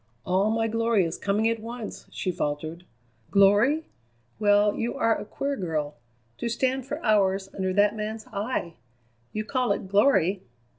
"All my glory is coming at once!" she faltered. "Glory? Well, you are a queer girl. To stand for hours under that man's eye! You call it glory?